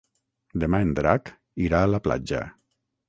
Demà en Drac irà a la platja.